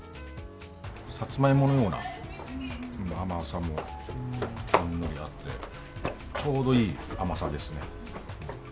さつまいものような甘さもほんのりあって、ちょうどいい甘さですね。